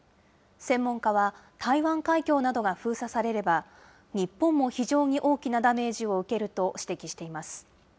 専門家は、台湾海峡などが封鎖されれば、日本も非常に大きなダメージを受けると指摘しています。